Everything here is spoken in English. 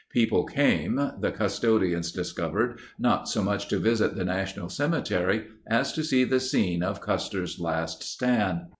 People came, the cus todians discovered, not so much to visit the national cemetery as to see the scene of "Custer's Last Stand."